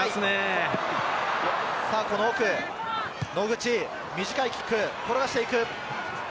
野口、短いキックで転がしていく。